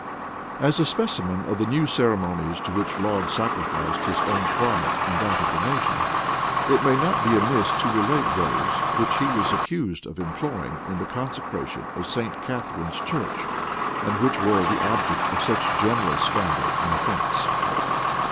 As a specimen of the new ceremonies to which Laud sacrificed his own quiet and that of the nation, it may not be amiss to relate those which he was accused of employing in the consecration of St. Catharine's church, and which were the object of such general scandal and offence.